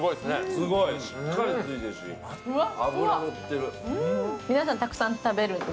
すごいしっかりついてるし脂のってる。